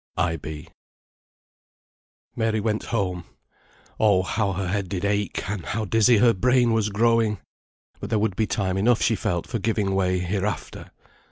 IB. Mary went home. Oh! how her head did ache, and how dizzy her brain was growing! But there would be time enough she felt for giving way, hereafter.